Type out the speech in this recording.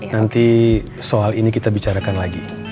nanti soal ini kita bicarakan lagi